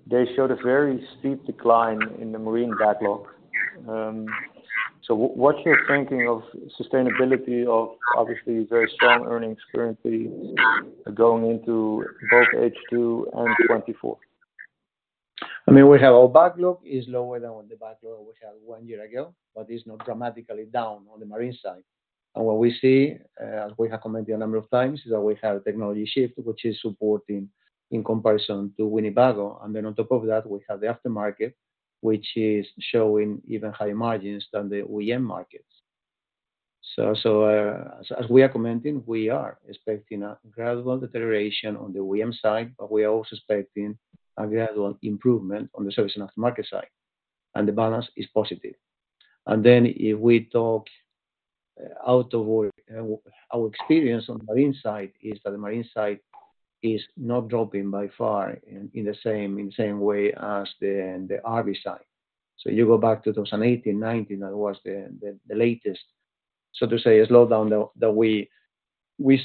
they showed a very steep decline in the marine backlog. What's your thinking of sustainability of obviously very strong earnings currently going into both H2 and 2024? I mean, we have our backlog is lower than the backlog we had one year ago, but it's not dramatically down on the marine side. What we see, as we have commented a number of times, is that we have technology shift, which is supporting in comparison to Winnebago. On top of that, we have the aftermarket, which is showing even higher margins than the OEM markets. As we are commenting, we are expecting a gradual deterioration on the OEM side, but we are also expecting a gradual improvement on the service and aftermarket side, and the balance is positive. If we talk out of our experience on the marine side, is that the marine side is not dropping by far in the same way as the RV side. You go back to 2018, 2019, that was the latest, so to say, a slowdown that we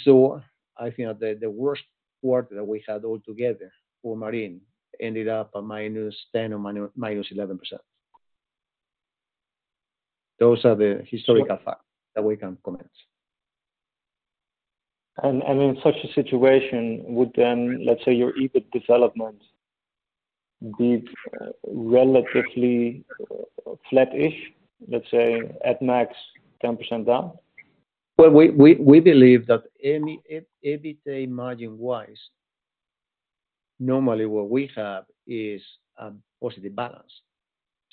saw. I think that the worst quarter that we had altogether for marine ended up a -10% or -11%. Those are the historical facts that we can comment. In such a situation, would then, let's say, your EBIT development be relatively flat-ish, let's say, at max, 10% down? Well, we believe that EBITDA margin wise, normally what we have is a positive balance,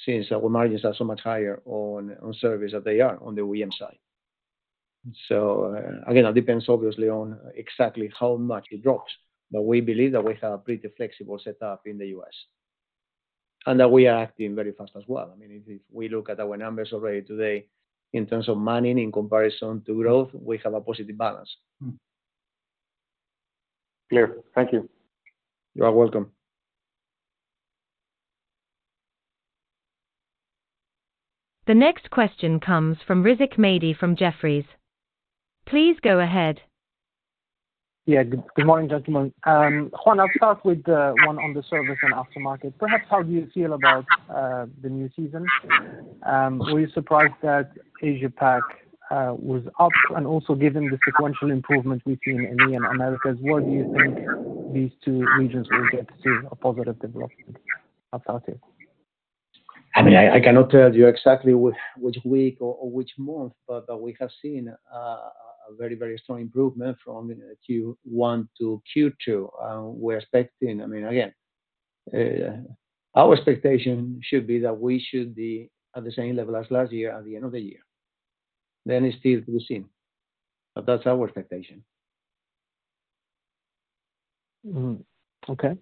since our margins are so much higher on service than they are on the OEM side. Again, it depends obviously on exactly how much it drops, but we believe that we have a pretty flexible set up in the U.S., and that we are acting very fast as well. I mean, if we look at our numbers already today in terms of manning in comparison to growth, we have a positive balance. Mm-hmm. Clear. Thank you. You are welcome. The next question comes from Rizk Maidi from Jefferies. Please go ahead. Yeah, good morning, gentlemen. Juan, I'll start with one on the service and aftermarket. Perhaps, how do you feel about the new season? Were you surprised that Asia-Pac was up? Given the sequential improvement between EMEA and Americas, where do you think these two regions will get to a positive development after that year? I mean, I cannot tell you exactly which week or which month, but we have seen a very strong improvement from Q1 to Q2. I mean, again, our expectation should be that we should be at the same level as last year at the end of the year. It's still to be seen, but that's our expectation. Okay.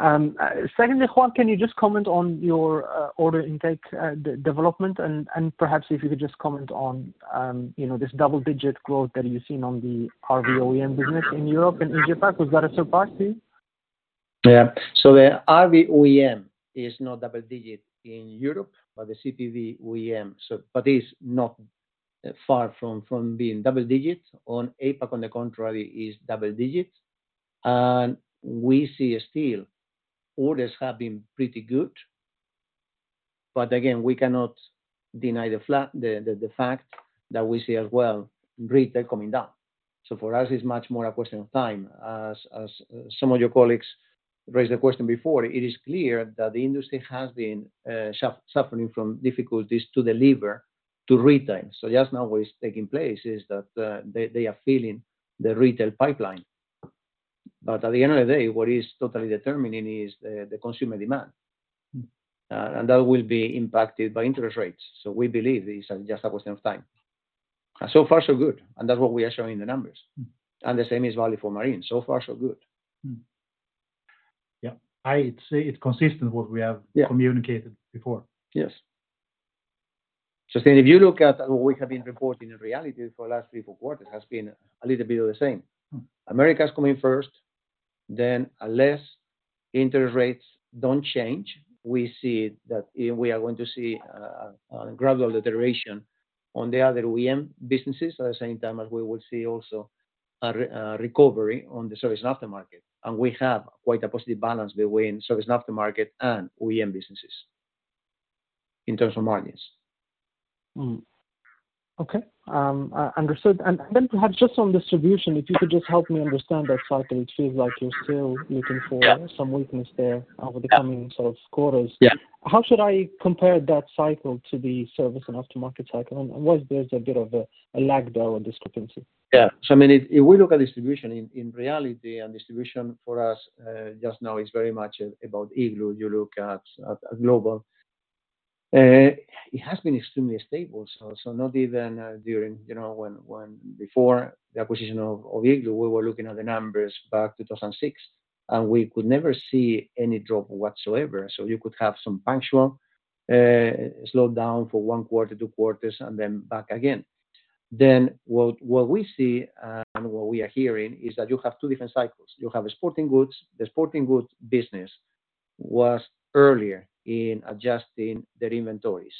Secondly, Juan, can you just comment on your order intake development, and perhaps if you could just comment on, you know, this double-digit growth that you've seen on the RV OEM business in Europe and Asia-Pac? Was that a surprise to you? The RV OEM is not double digits in Europe, but the CPV OEM is not far from being double digits. On APAC, on the contrary, is double digits, and we see still orders have been pretty good, but again, we cannot deny the fact that we see as well retail coming down. For us, it's much more a question of time. As some of your colleagues raised the question before, it is clear that the industry has been suffering from difficulties to deliver to retail. Just now, what is taking place is that they are filling the retail pipeline. At the end of the day, what is totally determining is the consumer demand. Mm. That will be impacted by interest rates. We believe this is just a question of time. So far, so good, and that's what we are showing in the numbers. Mm. The same is valid for marine. So far, so good. Mm. Yeah, I'd say it's consistent. Yeah... communicated before. Yes. If you look at what we have been reporting in reality for the last three, four quarters, it has been a little bit of the same. Mm. America's coming first, then unless interest rates don't change, we see that, we are going to see a gradual deterioration on the other OEM businesses, at the same time as we will see also a recovery on the service and aftermarket. We have quite a positive balance between service and aftermarket and OEM businesses in terms of margins. Okay. Understood. Perhaps just on distribution, if you could just help me understand that cycle. It seems like you're still looking. Yeah some weakness there over the coming sort of quarters. Yeah. How should I compare that cycle to the service and aftermarket cycle, and was there a bit of a lag there or discrepancy? I mean, if we look at distribution in reality, and distribution for us just now is very much about Igloo. You look at Global. It has been extremely stable, so not even during, you know, when before the acquisition of Igloo, we were looking at the numbers back 2006, and we could never see any drop whatsoever. You could have some punctual slowdown for 1 quarter, 2 quarters, and then back again. What we see, and what we are hearing, is that you have two different cycles. You have a sporting goods. The sporting goods business was earlier in adjusting their inventories,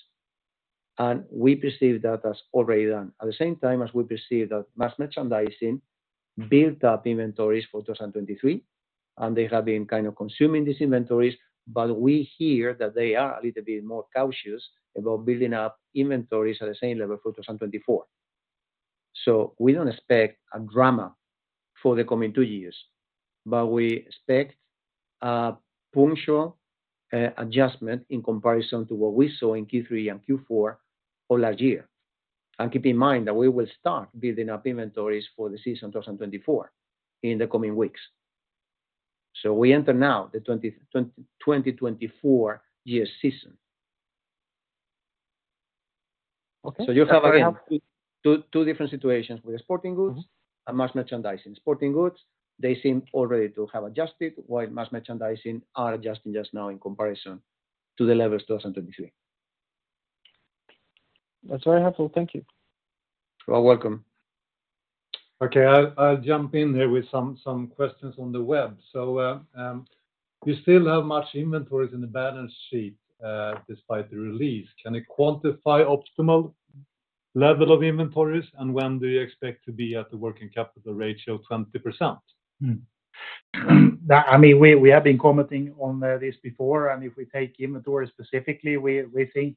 and we perceive that as already done. At the same time as we perceive that mass merchandising built up inventories for 2023, and they have been kind of consuming these inventories, but we hear that they are a little bit more cautious about building up inventories at the same level for 2024. We don't expect a drama for the coming two years, but we expect a punctual adjustment in comparison to what we saw in Q3 and Q4 of last year. Keep in mind that we will start building up inventories for the season 2024 in the coming weeks. We enter now the 2024 year season. Okay. You have two different situations with sporting goods. Mm-hmm. Mass merchandising. Sporting goods, they seem already to have adjusted, while mass merchandising are adjusting just now in comparison to the levels 2023. That's very helpful. Thank you. You are welcome. Okay. I'll jump in here with some questions on the web. You still have much inventories in the balance sheet despite the release. Can you quantify optimal level of inventories, and when do you expect to be at the working capital ratio, 20%? I mean, we have been commenting on this before, and if we take inventory specifically, we think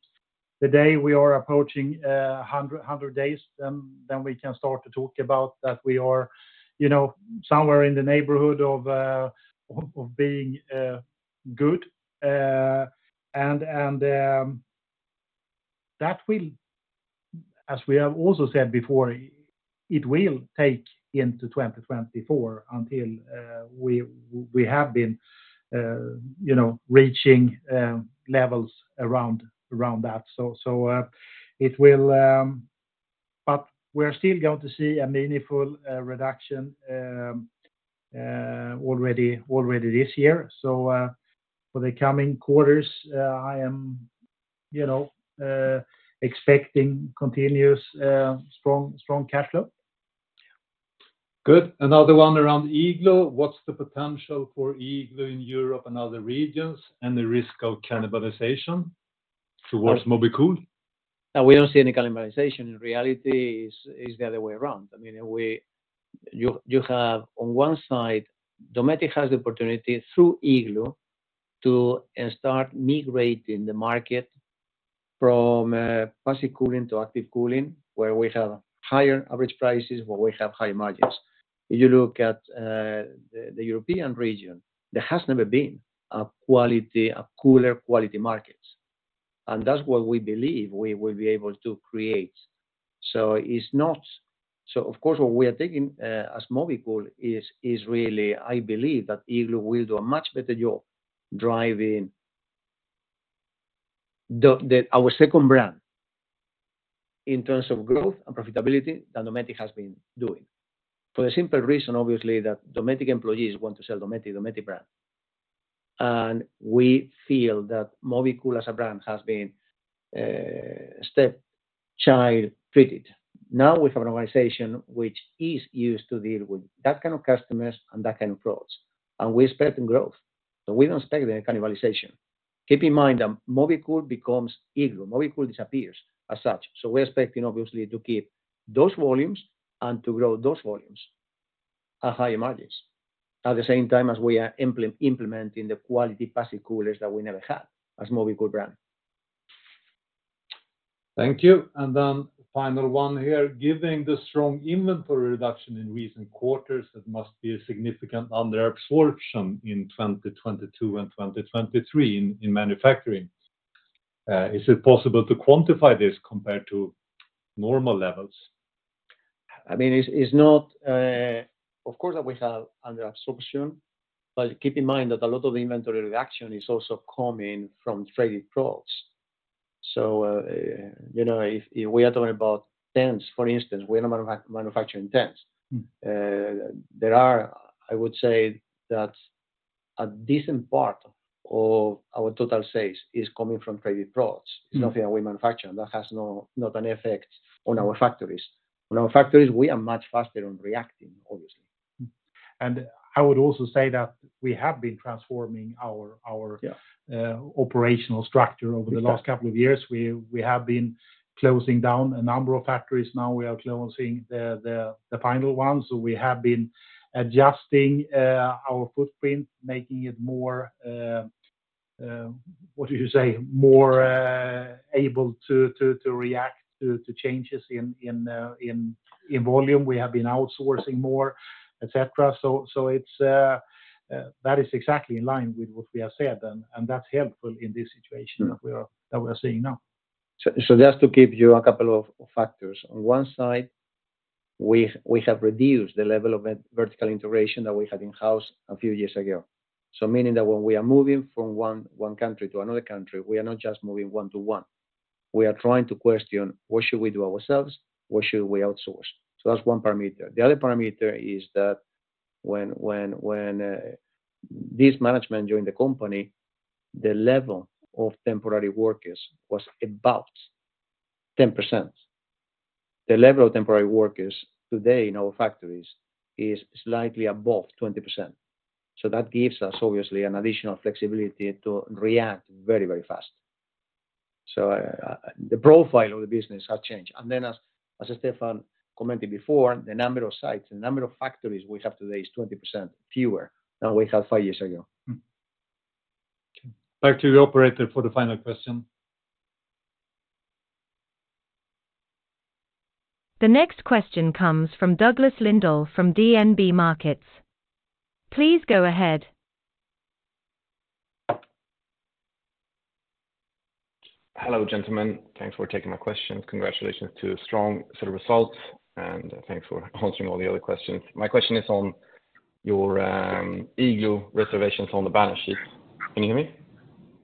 today we are approaching 100 days, then we can start to talk about that we are, you know, somewhere in the neighborhood of being good. And that will, as we have also said before, it will take into 2024 until we have been, you know, reaching levels around that. We're still going to see a meaningful reduction already this year. For the coming quarters, I am, you know, expecting continuous strong cash flow. Good. Another one around Igloo. What's the potential for Igloo in Europe and other regions, and the risk of cannibalization towards Mobicool? We don't see any cannibalization. In reality, is the other way around. I mean, you have on one side, Dometic has the opportunity through Igloo to start migrating the market from passive cooling to active cooling, where we have higher average prices, where we have high margins. If you look at the European region, there has never been a quality, a cooler quality market, and that's what we believe we will be able to create. Of course, what we are taking as Mobicool is really, I believe, that Igloo will do a much better job driving the our second brand in terms of growth and profitability than Dometic has been doing. For the simple reason, obviously, that Dometic employees want to sell Dometic brand. We feel that Mobicool as a brand has been stepchild treated. Now we have an organization which is used to deal with that kind of customers and that kind of products, and we expect in growth, so we don't take the cannibalization. Keep in mind that Mobicool becomes Igloo. Mobicool disappears as such, so we're expecting, obviously, to keep those volumes and to grow those volumes at higher margins. At the same time as we are implementing the quality passive coolers that we never had as Mobicool brand. Thank you. Final one here. Given the strong inventory reduction in recent quarters, there must be a significant underabsorption in 2022 and 2023 in manufacturing. Is it possible to quantify this compared to normal levels? I mean, it's not. Of course, that we have underabsorption, but keep in mind that a lot of inventory reduction is also coming from traded products. You know, if we are talking about tents, for instance, we're not manufacturing tents. Mm. There are, I would say that a decent part of our total sales is coming from traded products. Mm. It's nothing that we manufacture, and that has not an effect on our factories. On our factories, we are much faster on reacting, obviously. I would also say that we have been transforming our. Yeah... operational structure over the last couple of years. We have been closing down a number of factories. Now, we are closing the final one, so we have been adjusting our footprint, making it more, what do you say? More able to react to changes in volume. We have been outsourcing more, et cetera. So it's that is exactly in line with what we have said, and that's helpful in this situation- Mm that we are seeing now. Just to give you a couple of factors. On one side, we have reduced the level of vertical integration that we had in-house a few years ago. Meaning that when we are moving from one country to another country, we are not just moving one to one. We are trying to question: What should we do ourselves? What should we outsource? That's one parameter. The other parameter is that when this management joined the company, the level of temporary workers was about 10%. The level of temporary workers today in our factories is slightly above 20%. That gives us, obviously, an additional flexibility to react very fast. The profile of the business has changed. As Stefan commented before, the number of sites, the number of factories we have today is 20% fewer than we had five years ago. Back to the operator for the final question. The next question comes from Douglas Lindahl from DNB Markets. Please go ahead. Hello, gentlemen. Thanks for taking my question. Congratulations to a strong set of results. Thanks for answering all the other questions. My question is on your Igloo reservations on the balance sheet. Can you hear me?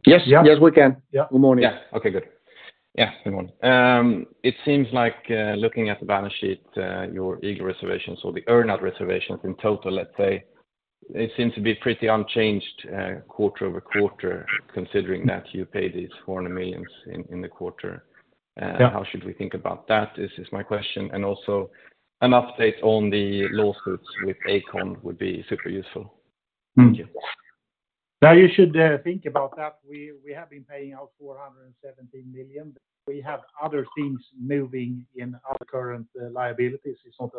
Yes. Yes, we can. Yeah. Good morning. Yeah. Okay, good. Yeah, good morning. It seems like looking at the balance sheet, your Igloo reservations or the earn out reservations in total, let's say, it seems to be pretty unchanged quarter-over-quarter, considering that you paid these 400 million in the quarter. Yeah. How should we think about that? This is my question, and also an update on the lawsuits with ACON would be super useful. Thank you. You should think about that. We have been paying out 417 million. We have other things moving in our current liabilities. It's not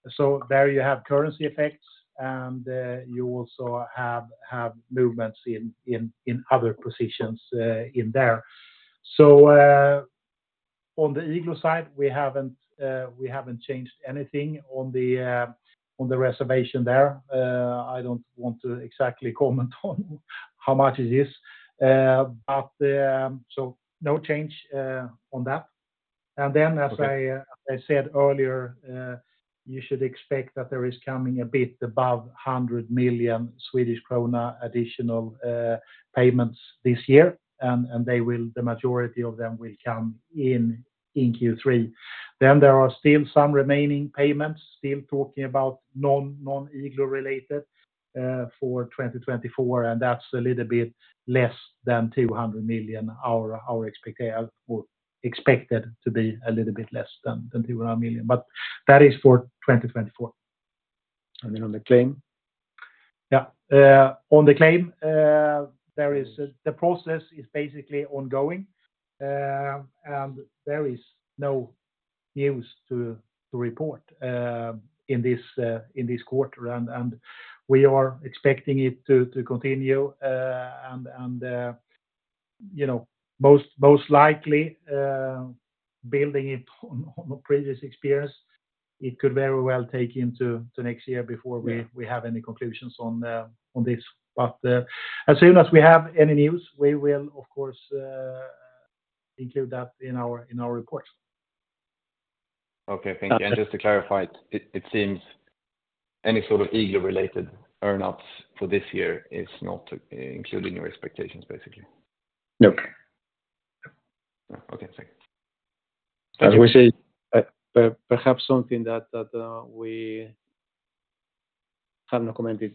only earn out related. There you have currency effects, and you also have movements in other positions in there. On the Igloo side, we haven't changed anything on the reservation there. I don't want to exactly comment on how much it is. But, no change on that. Okay. Then, as I said earlier, you should expect that there is coming a bit above 100 million Swedish krona additional payments this year, the majority of them will come in Q3. There are still some remaining payments, still talking about non-Igloo related, for 2024, and that's a little bit less than 200 million. Our expected were expected to be a little bit less than 200 million, but that is for 2024. On the claim? Yeah. On the claim, the process is basically ongoing, and there is no news to report in this quarter. We are expecting it to continue, and, you know, most likely, building it on a previous experience, it could very well take into next year before. Yeah We have any conclusions on this. As soon as we have any news, we will, of course, include that in our, in our reports. Okay, thank you. Okay. Just to clarify, it seems any sort of Igloo related earnouts for this year is not included in your expectations, basically? Nope. Okay, thanks. As we say, perhaps something that we have not commented,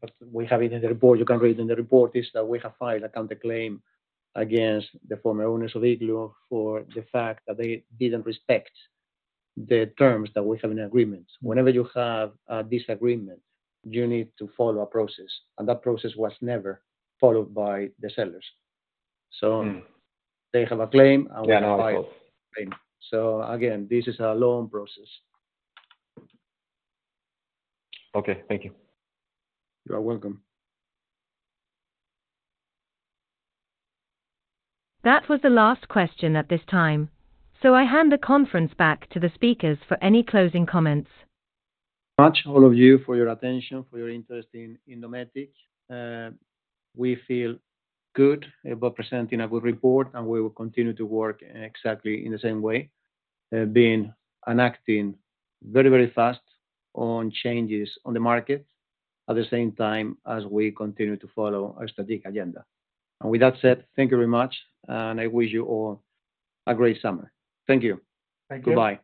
but we have it in the report, you can read in the report, is that we have filed a counterclaim against the former owners of Igloo for the fact that they didn't respect the terms that we have in agreement. Whenever you have a disagreement, you need to follow a process. That process was never followed by the sellers. Mm. They have a claim, and we file a claim. Again, this is a long process. Okay, thank you. You are welcome. That was the last question at this time, so I hand the conference back to the speakers for any closing comments. Thank you all for your attention, for your interest in Dometic. We feel good about presenting a good report, and we will continue to work exactly in the same way, being and acting very, very fast on changes on the market, at the same time as we continue to follow our strategic agenda. With that said, thank you very much, and I wish you all a great summer. Thank you. Thank you. Goodbye.